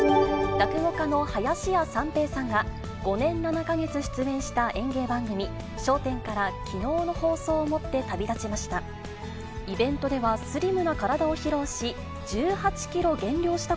落語家の林家三平さんが、５年７か月出演した演芸番組、笑点からきのうの放送をもって旅立ちました。